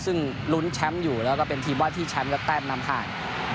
ซึ่งลุ้นแชมป์อยู่แล้วก็เป็นทีมวาดที่แชมป์กับแต้มนำห่าง